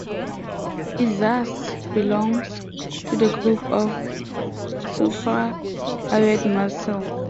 It thus belongs to the group of suprahyoid muscles.